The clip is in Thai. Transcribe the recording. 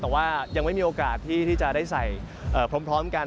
แต่ว่ายังไม่มีโอกาสที่จะได้ใส่พร้อมกัน